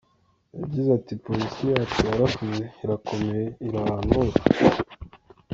Yagize ati “Polisi yacu yarakuze, irakomeye iri ahantu hose.